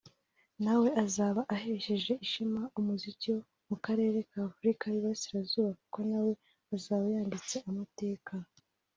nawe azaba ahesheje ishema umuziki wo mu karere k’Afrika y’Uburasirazuba kuko nawe azaba yanditse amateka